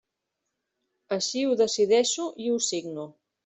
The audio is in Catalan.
Així ho decideixo i ho signo.